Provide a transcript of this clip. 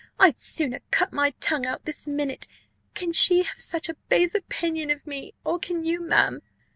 I'd sooner cut my tongue out this minute! Can she have such a base opinion of me, or can you, ma'am?"